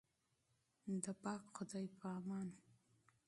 د پاک خدای په امان.